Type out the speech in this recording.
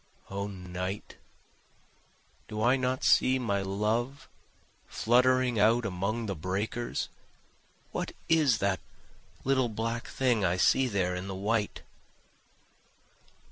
O night! do I not see my love fluttering out among the breakers? What is that little black thing I see there in the white?